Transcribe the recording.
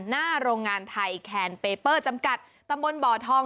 หน้าโรงงานไทยแคนเปเปอร์จำกัดตำบลบ่อทอง